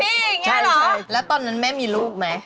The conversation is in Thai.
นี่อย่างนี้เหรอแล้วตอนนั้นแม่มีลูกไหม